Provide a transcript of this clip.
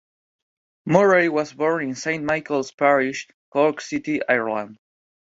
Murray was born in Saint Michael's Parish, Cork City, Ireland.